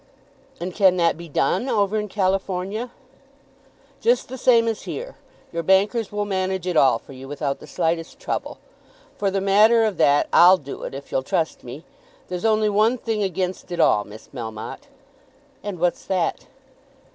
"And can that be done over in California?" "Just the same as here. Your bankers will manage it all for you without the slightest trouble. For the matter of that I'll do it, if you'll trust me. There's only one thing against it all, Miss Melmotte." "And what's that?"